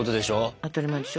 当たり前でしょ。